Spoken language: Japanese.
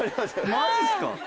マジっすか！